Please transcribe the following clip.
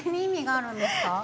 あるんです。